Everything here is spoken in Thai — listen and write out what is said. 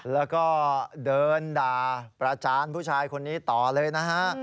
แล้วก็เดินด่าประจานผู้ชายคนนี้ต่อเลยนะฮะ